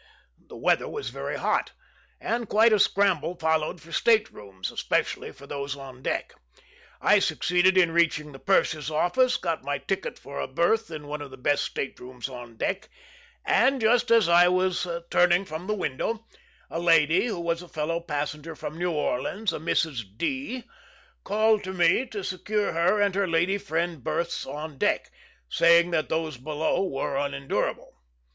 The weather was very hot, and quite a scramble followed for state rooms, especially for those on deck. I succeeded in reaching the purser's office, got my ticket for a berth in one of the best state rooms on deck, and, just as I was turning from the window, a lady who was a fellow passenger from New Orleans, a Mrs. D , called to me to secure her and her lady friend berths on deck, saying that those below were unendurable.